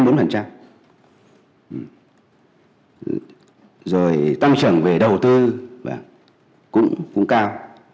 rồi tăng trưởng về đầu tư cũng cao